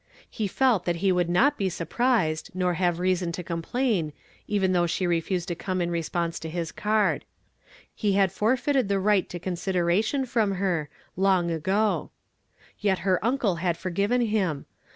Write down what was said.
lie felt that he would not be sur prised, nor have reason to complain, even though she refused to come in response to his card. He had forfeited the right to consideration from her, ; m iKi 110 VKSTEUDAY FUAMICD IN TO DAV. lon^r ago. Yet hov niiclo had forgiven liim.